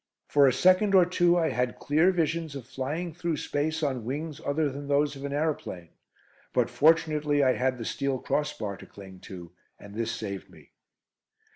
For a second or two I had clear visions of flying through space on wings other than those of an aeroplane. But fortunately I had the steel crossbar to cling to, and this saved me.